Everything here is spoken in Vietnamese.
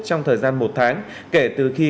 trong thời gian một tháng kể từ khi